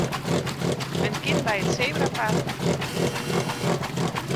Men kin by it sebrapaad oerstekke.